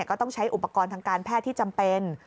ก็ต้องใช้อุปกรณ์ทางการแพทย์ที่จำเป็น